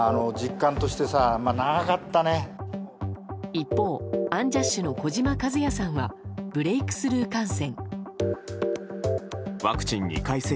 一方アンジャッシュの児嶋一哉さんはブレークスルー感染。